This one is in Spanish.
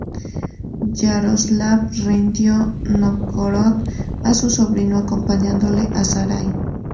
Yaroslav rindió Nóvgorod a su sobrino, acompañándole a Sarai.